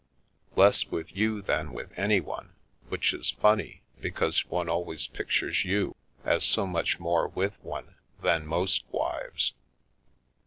Less with you than with anyone, which is funny, because one always pictures you as so much more with one than most wives.